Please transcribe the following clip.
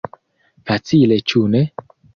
Facile, ĉu ne?